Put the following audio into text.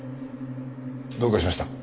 どうかしました？